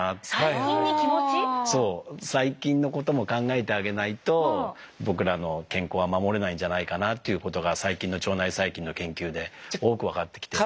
そう細菌のことも考えてあげないと僕らの健康は守れないんじゃないかなっていうことが最近の腸内細菌の研究で多く分かってきて。